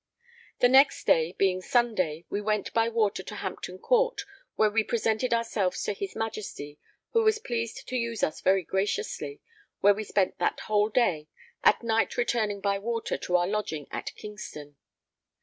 The next day, being Sunday, we went by water to Hampton Court, where we presented ourselves to his Majesty, who was pleased to use us very graciously, where we spent that whole day, at night returning by water to our lodging at Kingston.